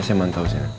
saya mau tau